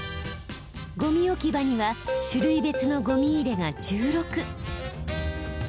ゴミ置き場には種類別のゴミ入れが１６。